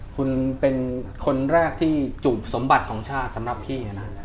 คุณเป็นคนแรกที่จูบสมบัติของชาติสำหรับพี่นะ